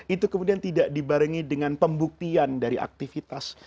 itu kemudian tidak dibarengi dengan pembuktian dari aktivitas